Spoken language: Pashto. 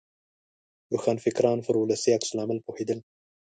روښانفکران پر ولسي عکس العمل پوهېدل.